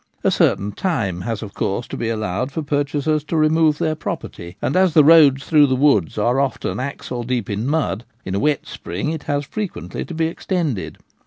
A certain time has, of course, to be allowed for pur chasers to remove their property, and, as the roads through the woods are often axle deep in mud, in a wet spring it has frequently to be extended.